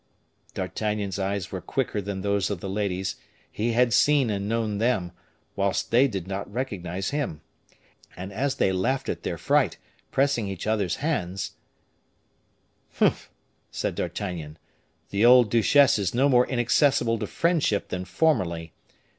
D'Artagnan's eyes were quicker than those of the ladies; he had seen and known them, whilst they did not recognize him; and as they laughed at their fright, pressing each other's hands, "Humph!" said D'Artagnan, "the old duchesse is no more inaccessible to friendship than formerly.